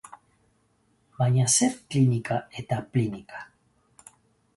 Baina, zer klinika eta plinika!